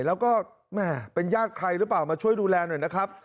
แล้วก็แม่เป็นญาติใครหรือเปล่ามาช่วยดูแลหน่อยนะครับ